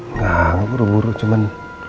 engga gue buru buru cuman